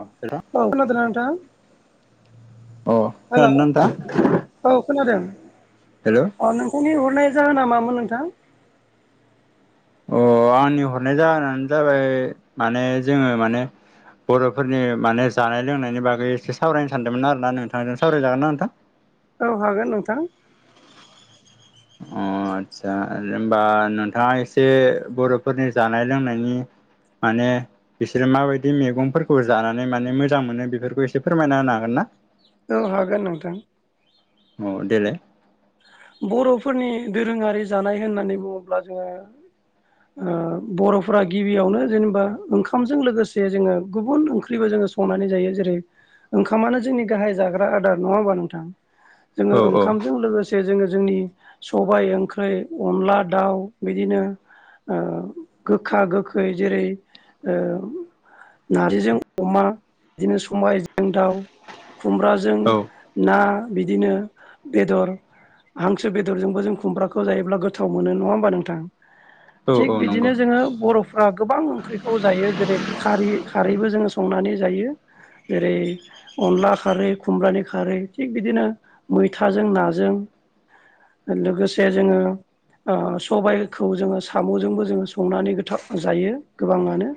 हेल' अ औ खोनादोंना नोंथां? अ हेल' खोनादोंना नोंथां? औ खोनादों अ नोंथांनि हरनाय जाहोना मामोन नोंथां? अ आंनि हरनाय जाहोनानो जाबाय माने जोङो माने बर'फोरनि माने जानाय लोंनायनि बागै एसे सावरायनो सानदोंमोन आरोना नोंथांजों सावरायजागोन ना नोंथां? औ हागोन नोंथां । अ आस्सा होनबा नोंथाङा एसे बर'फोरनि जानाय लोंनायनि । माने बिसोरो माबायदि मैगंफोरखौ जानानै माने मोजां मोनो बेफोरखौ एसे फोरमायना होनो हागोन ना? औ हागोन नोंथां औ देलाय । बर'फोरनि दोरोङारि जानाय होननानै बुङोब्ला जोङो । ओ बर'फोरा गिबियावनो जेनेबा ओंखामजों लोगोसे जोङो गुबुन ओंख्रिबो जों संनानै जायो जेरै ओंखामानो जोंनि गाहाय जाग्रा आदार नङा होमबा नोंथां? जोङो औ औ ओंखामजों लोगोसे । जोङो जोंनि सबाय ओंख्रि अनला दाउ बिदिनो ओ गोखा गोखै जेरै ओ नारजिजों अमा बिदिनो समबाय जों दाउ खुमब्राजों औ ना बिदिनो बेदर हांसो बेदरजोंबो जों खुमब्राखौ जायोब्ला गोथाव मोनो नङा होमबा नोंथां [inaudible] थिग नंगौ बिदिनो जोङो बर'फ्रा गोबां ओंख्रिखौ जायो जेरै खारै खारैबो जोङो संनानै जायो । जेरै अनला खारै खुमब्रानि खारै थिग बिदिनो मैथाजों नाजों [inaudible] लोगोसे जोङो ओ सबायखौ जोङो साम'जोंबो जोङो संनानै गोथाव जायो गोबाङानो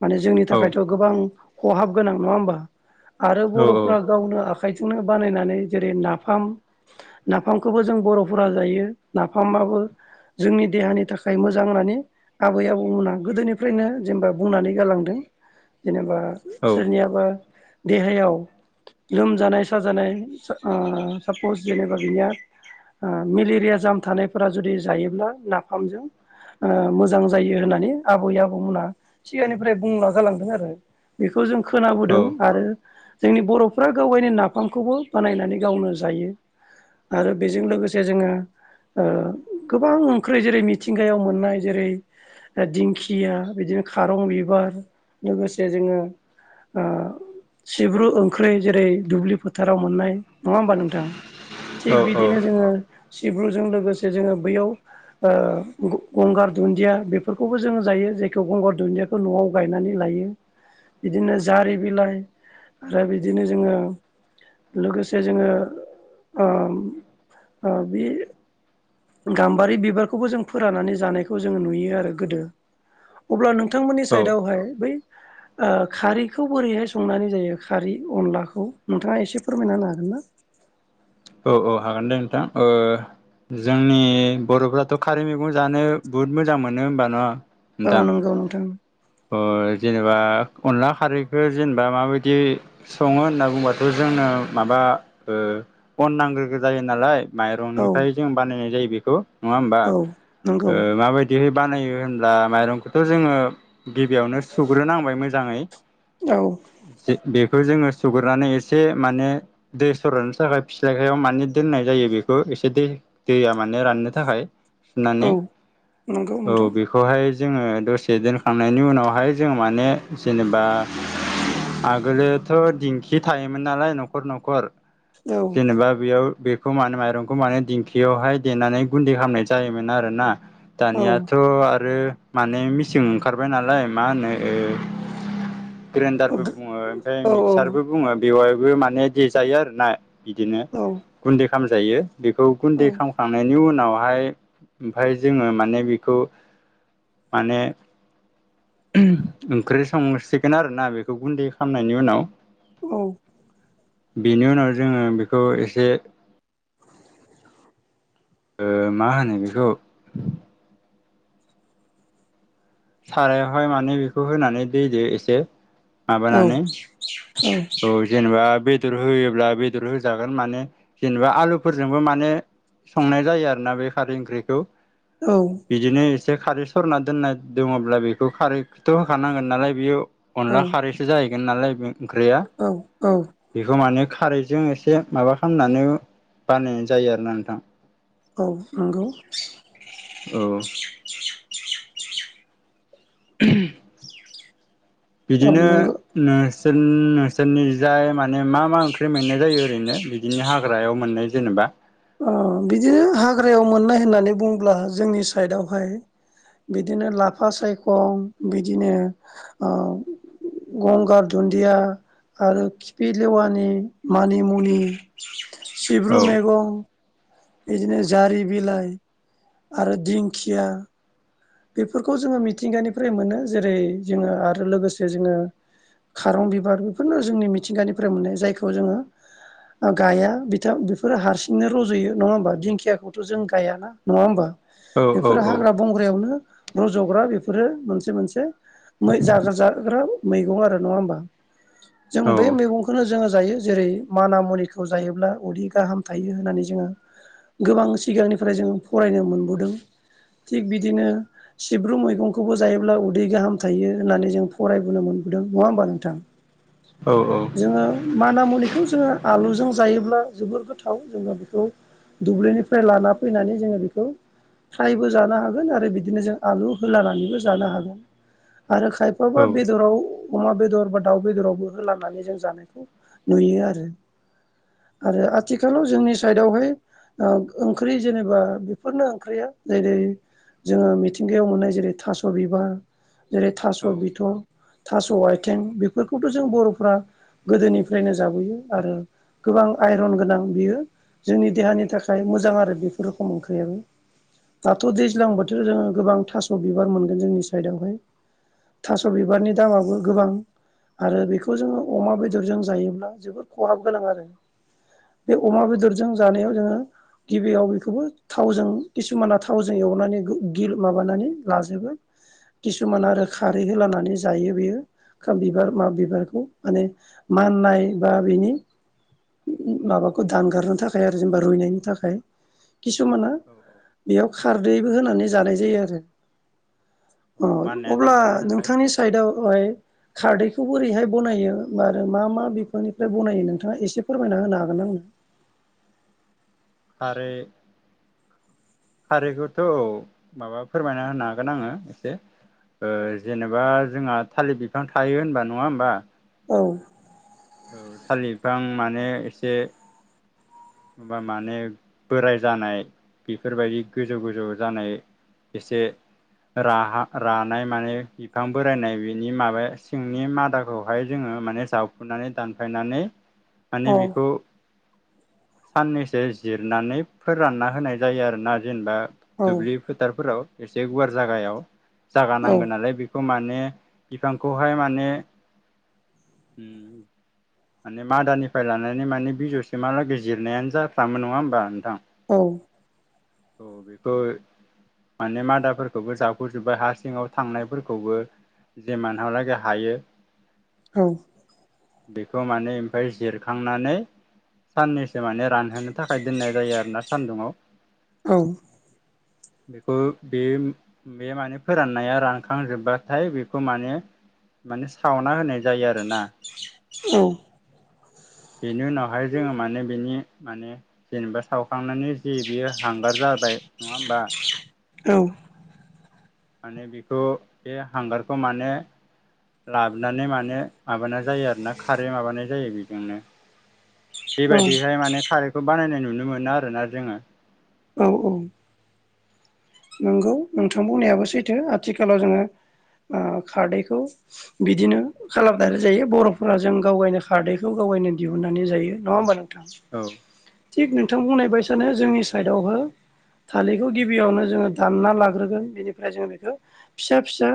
माने जोंनि औ थाखायथ' गोबां खहाब गोनां नङा होमबा आरो औ बर'फ्रा गावनो आ आखाइजोंनो बानायनानै जेरै नाफाम नाफामखौबो जों बर'फोरा जायो नाफामाबो जोंनि देहानि थाखाय मोजां होननानै आबै आबौमोनहा गोदोनिफ्रायनो जेनेबा बुंनानै गालांदों जेनेबा औ सोरनियाबा देहायाव लोमजानाय साजानाय ओ सापस जेनेबा बिया ओ मेलेरिया जाम थानायफोरा जुदि जायोब्ला नाफामजों ओ मोजां जायो होननानै आबै आबौमोनहा सिगांनिफ्राय बुंला जालांदों आरो बेखौ खौ जों खोनाबोदों आरो जोंनि बर'फ्रा गाव गावनो नाफामखौबो बानायनानै गावनो जायो । आरो बेजों लोगोसे जोङो ओ गोबां ओंख्रि जेरै मिथिंगायाव मोननाय जेरै दिंखिया बिदिनो खारं बिबार लोगोसे जोङो सिब्रु ओंख्रै जेरै दुब्लि फोथाराव मोननाय नङा होमबा नोंथां थिग औ बिदिनो जोङो सिब्रुजों लोगोसे जोङो बैयाव ओ गंगार दुन्दिया बेफोरखौबो जोङो जायो जायखौ गंगार दुन्दियाखौ न'आव गायनानै लायो बिदिनो जारि बिलाइ आरो बिदिनो जोङो लोगोसे जोङो ओम ओ बे गाम्बारि बिबारखौबो जों फोराननानै जानायखौ जों नुयो आरो गोदो अब्ला नों थांमोननि औ साइडआवहाय बै ओ खारैखौ बोरैहाय संनानै जायो खारै अनलाखौ नोंथाङा एसे फोरमायना होनो हागोनना ना औ औ हागोन दे नोंथां ओ जोंनि बर'फ्राथ' खारै मैगं जानो बुहुद मोजां मोनो होमबा न' औ नोंथां नंगौ नोंथां ओ जेनेबा अनला खारैखौ जेनेबा माबायदि सङो होनना बुंबाथाय जोंनो माबा ओ अन नांग्रोगो जायो नालाय औ माइरंनिफ्राय जों बानायनाय जायो बेखौ नङा होमबा औ ओ नंगौ माबायदिहै बानायो होनब्ला माइरंखौथ' जोङो गिबियावनो सुग्रोनांबाय मोजाङै औ बेखौ जोङो सुग्रोनानै एसे माने दै सरनो थाखाय फिथ्लायखायाव माने दोननाय जायो बेखौ एसे दै दैया मानो राननो थाखाय नानै औ नंगौ औ नोंथां बेखौहाय जोङो दसे दोनखांनायनि उनावहाय जोंङो माने जेनेबा आगोलोथ' दिंखि थायोमोन नालाय न'खर न'खर औ जेनेबा बेयाव बे खौ माने माइरंखौ माने दिंखियावहाय देनानै गुन्दै खालामनाय जायोमोन आरोना औ दानियाथ' आरो माने मेचिं ओंखारबाय नालाय मा होनो ओ ग्राइन्डारबो औ बुङो ओमफ्राय औ मिक्सारबो बुङो बेवहायबो माने दे जायो आरोना बिदिनो गुन्दै खालामजायो बेखौ औ गुन्दै खालामखांनायनि उनाव ओमफ्राय जोङो बेखौ माने ओंख्रि संसिगोन आरोना बेखौ गुन्दै खालामनायनि उनाव औ बेनि उनाव जोङो बेखौ एसे ओ मा होनो बेखौ सारायावहाय माने बेखौ होनानै दैदो एसे औ माबानानै औ जेनेबा बे बेदर होयोब्ला बेदर होजागोन माने जेनेबा आलुफोरजोंबो माने संनाय जायो आरोना बे खारै ओंख्रिखौ बिदिनो एसे खारै सरना दोननाय दङब्ला बेखौ खारैखौथ' होखानांगोन नालाय बेयो अनला खारैसो जा नालाय बे ओंख्रिया औ औ बेखौ माने खारैजों एसे माबा खालामनानै बानायनाय जायो आरोना नोंथां औ नंगौ औ [unintelligible] औ बिदिनो नंगौ नोंसोर नोंसोरनि जाय माने मा मा ओंख्रि मोननाय जायो ओरैनो बिदिनो हाग्रायाव मोननाय जेनेबा ओ बिदिनो हाग्रायाव मोननाय होननानै बुंङोब्ला जोंनि साइडआवहाय बिदिनो लाफा सायखं बिदिनो ओ गंगार दुन्दिया आरो खिफि लेवानि मानिमुनि सिब्रु औ मैगं बिदिनो जारि बिलाइ आरो दिंखिया बेफोरखौ जोङो मिथिंगानिफ्राय मोनो जेरै जोङो आरो लोगोसे जोङो खारं बिबार बेफोरनो जोंनि मिथिंगानिफ्राय मोननाय जायखौ जोङो गाया बिथां बेफोरो हारसिंनो रज'यो नङा होमबा दिंखियाखौथ' जों गायाना नङा होमबा औ औ बेफोर औ हाग्रा बंग्रायावनो रज'ग्रा बेफोरो मोनसे मोनसे जाग्रा जाग्रा मैगं आरो नङा होमबा जों औ बे मैगंखौनो जोङो जायो जेरै माना मुनिखौ जायोब्ला अदै गाहाम थायो होननानै जों गोबां सिगांनिफ्राय जों फरायनो मोनबोदों थिग बिदिनो सिब्रु मैगंखौबो जायोब्ला उदै गाहाम थायो होननानै जों फरायबोनो मोनबोदों नङा होमबा नोंथां? औ औ जोङो माना मुनिखौ जोङो आलुजों जायोब्ला जोबोर गोथाव जोङो बेखौ दुब्लिनिफ्राय लाना फैनानै जोङो बेखौ फ्रायबो जानो हागोन आरो बिदि बिदिनो जों आलु होलानानैबो जानो हागोन आरो खायफाबा औ बेदराव अमा बेदर बा दाउ बेदरावबो होलांनानै जों जानायखौ नुयो आरो आरो आथिखालाव जोंनि साइडआवहाय ओ ओंख्रि जेनेबा बेफोरनो ओंख्रिया जेरै जोङो मिथिंगायाव मोननाय जेरै थास' बिबार जेरै थास' औ औ बिथ' थास' आथिं बेफोरखौथ' जों बर'फ्रा गोदोनिफ्रायनो जाबोयो आरो गोबां आइरन गोनां बियो जोंनि देहानि थाखाय मोजां आरो बेफोर रोखोम ओंख्रियाबो दाथ' दैज्लां बोथोराव जोङो गोबां थास' बिबार मोनगोन जोंनि साइडआवहाय थास' बिबारनि दामाबो गोबां आरो बेखौ जोङो अमा बेदरजों जायोब्ला जोबोद खहाब गोनां आरो बे अमा बेदरजों जानायाव जोङो गिबियाव बेखौबो थावजों किसुमाना थावजों गनानै गि माबानानै लाजोबो किसुमान आरो खारै होलानानै जायो बेयो खा बिबार मा बिबारखौ माने माननाय बा बिनि माबाखौ दानगारनो थाखाय आरो जेनेबा रुइनायनि थाखाय किसुमाना बेयाव खारदैबो होनानै जानाय जायो आरो अ माननाया अब्ला दानगारनो थाखाय नोंथांनि साइदआव खारदैखौबो ओरैहाय बनायो आरो मा मा बिफांनिफ्राय बनायो नोंथाङा एसे फोरमायना होनो हागोन आंनो [inaudible] खारै खारैखौथ' औ माबा फोरमायना होनो हागोन आङो एसे ओ जेनेबा जोंहा थालिर बिफां थायो होनबा नङा होमबा औ औ थालिर बिफां माने एसे मबा माने बोराय जानाय बेफोरबायदि गोजौ गोजौ जानाय एसे र रानाय माने बिफां बोरायनाय बिनि माबाया सिंनि मादाखौहाय जोङो माने जावफुनानै दानफायनानै औ माने बेखौ साननैसो जिरनानै फोरानना होनाय जायो आरो ना जेनेबा औ दुब्लि फोथारफोराव एसे गुवार जागायाव जागा औ नांगोन नालाय बेखौ मा माने बिफांखौहाय माने उम माने मादानिफ्राय लानानै माने बिजौ सिमालागै जिरनायानो जाफ्रामो नङा होमबा नोंथां। औ औ बेखौ माने मादाफोरखौबो जफ'जोबबाय हा सिङाव थांनायफोरखौबो जेमानहालागै हायो औ बेखौ माने ओमफ्राय जिरखांनानै साननै सो माने रानहोनो थाखाय दोननाय जायो आरोना सान्दुंआव औ-औ-औ-औ-औ-औ-औ बेखौ बे बे माने फोराननाया रानखांजोब्बाथाय बेखौ माने माने सावना होनाय जायो आरोना बेनि उनावहाय जोङो माने बिनि माने जेनेबा सावखांनानै जे बियो हांगार जाबाय नङा होमबा औ माने बेखौ बे हांगारखौ माने लाबोनानै माने माबानाय जायो आरोना खारै माबानाय जायो बेजोंनो बेबायदिहाय माने खारैखौ बानायनाय नुनो मोनो आरोना जोङो औ औ नंगौ नोंथां बुंनायाबो सैथो आथिखालाव जोङो ओ खारदैखौ बिदिनो खालामनाय जायो बर'फोरा जों गाव गायनो खारदैखौ गाव थायनो दिहुननानै जायो नङा होमबा नों औ थिग नोंथां बुंनाय बाय सानो जोंनि साइडआव हो थालिरखौ गिबियावनो जों दा लारोगोन बेनिफ्राय ज बेखौ फिसा फिसा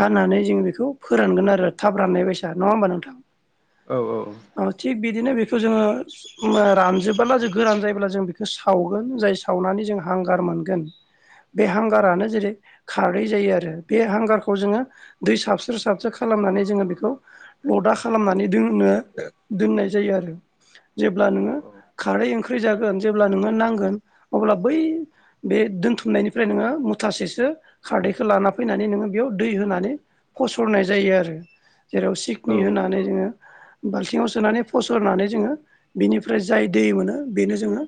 हानानै ज बेखौ फोरानोन आरो थाब राननाय बेससा नङा होमबा नोंथां। औ औ औ ओ थिग बिदिनो बेखौ जोङो रानजोबबोला जों गोरान जायोब्ला जों बेखौ सावगोन जाय सावनानै जोङो हांगार मोनगोन बे औ हांगारानो जेरै खारै जायो आरो बे हांगारखौ जोङो दै साबस्र साबस्र खालामनानै जोङो बेखौ ल लद्रा खालामनानै दोनो दोननाय जायो आरो जेब्ला नोंङो औ खारै ओं [unintelligible] ख्रि जागोन जेब्ला नो नांगोन अब्ला बै बे दोनथ [unintelligible] नायनिफ्राय नोङो मुथासेसो खारदैखो लाना फैनानै नोङो बेयाव दै होनानै फसरनाय जाय यो आरो जेराव औ सिकनि होनानै जोङो बाल्थिङाव सोनानै फसरनानै जोङो बिनिफ्राय जाय दै मोनो बेनो जोङो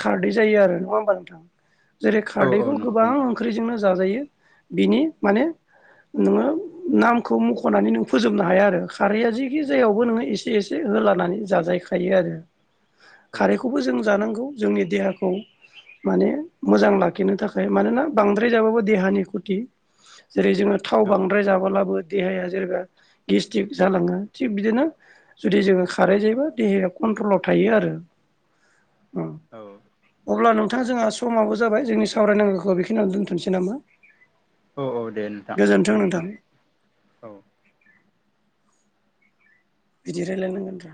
खारदै जायो आरो नङा होमबा नोंथां जेरै औ औ खारदैखौ नंगौ गोबां नोंथां ओंख्रिजोंनो जाजायो बिनि माने नोङो नामखौ मख'नानै नों फोजोबनो हाया आरो खारैआ जिखि जायावबो नोङो एसे एसे हो लानानै जा जायखायो आरो औ खारैखौबो जों जानांगौ जोंनि देहाखौ माने मोजां लाख खिनो थाखाय मानोना बांद्राय जाबाबो देहानि खुथि जेरै जोङो थाव औ बांद्राय जाबोलाबो देहाया जेनेबा गेस्टिक जालाङो थिग बिदिनो जुदि जोङो खारै जायोबा देहाया कम कनट्रलाव थायो आरो। औ अब्ला नोंथां जोंहा समाबो जाबाय जोंनि सावरायनांगौखौ बेखिनि दोनथ'नोसै नामा औ औ दे नोंथां गोजोन्थों नोंथां गोजोनथों औ बिदि रायलायनांगोन रा